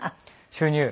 収入？